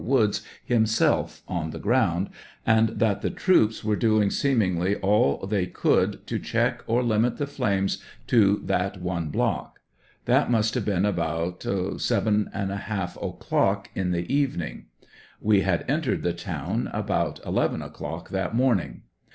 Woods himself on the ground, and that the troops were doing seemingly all they could to check or limit the flames to that oue block ; that must have been about 7J o'clock, in the evening; we had entered the town about 11 o'clock that morning.